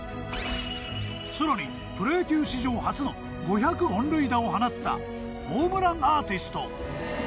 更にプロ野球史上初の５００本塁打を放ったホームランアーティスト。